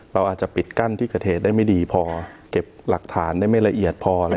เราอาจจะปิดกั้นที่เกิดเหตุได้ไม่ดีพอเก็บหลักฐานได้ไม่ละเอียดพอ